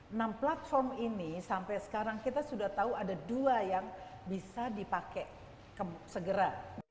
enam platform ini sampai sekarang kita sudah tahu ada dua yang bisa dipakai segera